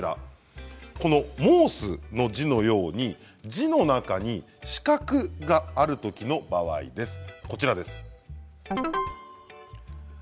この「申」の字のように字の中に四角があるときの場合です。